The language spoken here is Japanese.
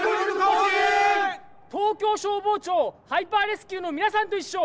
東京消防庁ハイパーレスキューのみなさんといっしょ！